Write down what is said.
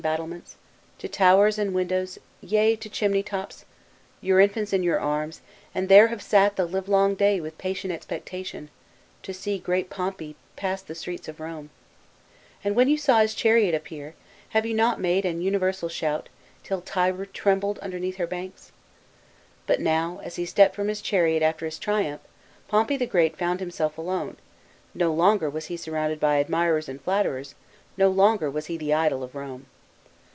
battlements, To towers and windows, yea, to chimney tops, Your infants in your arms, and there have sat 180 POMPEY'S RIVAL. [B.C. 61. The livelong day with patient expectation To see great Pompey pass the streets of Rome ; And when you saw his chariot but appear, Have you not made an universal shout Till Tiber trembled underneath her banks ?" But now, as he stepped from his chariot after his triumph, Pompey the Great found himself alone ; no longer was he surrounded by admirers and flatterers, no longer was he the idol of Home.